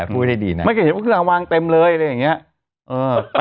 พี่นุ่มแล้วไปเรื่องป่ะ